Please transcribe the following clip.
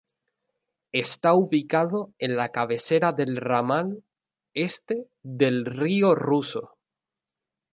Está ubicado en la cabecera del ramal este del río Ruso.